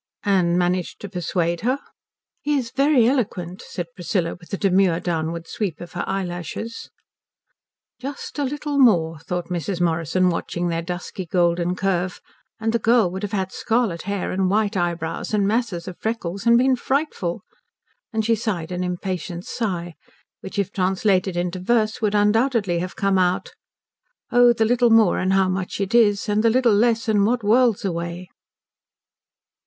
"And managed to persuade her?" "He is very eloquent," said Priscilla, with a demure downward sweep of her eyelashes. "Just a little more," thought Mrs. Morrison, watching their dusky golden curve, "and the girl would have had scarlet hair and white eyebrows and masses of freckles and been frightful." And she sighed an impatient sigh, which, if translated into verse, would undoubtedly have come out "Oh the little more and how much it is, And the little less and what worlds away!"